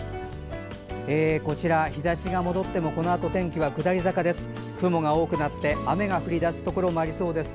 こちら、日ざしが戻ってもこのあと天気は下り坂です。